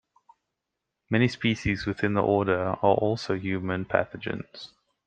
Many species within the order are also human pathogens.